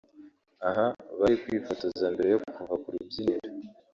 aha bari kwifotoza mbere yo kuva ku rubyiniro